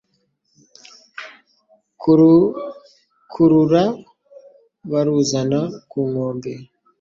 kurukurura baruzana ku nkombe.